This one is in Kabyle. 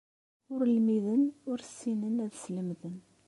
Ur lmiden, ur ssinen ad slemden.